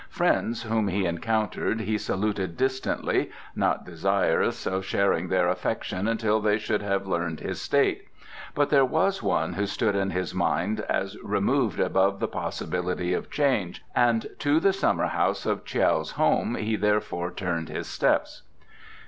Friends whom he encountered he saluted distantly, not desirous of sharing their affection until they should have learned his state; but there was one who stood in his mind as removed above the possibility of change, and to the summer house of Tiao's home he therefore turned his steps.